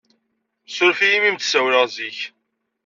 Suref-iyi imi m-d-ssawleɣ zik.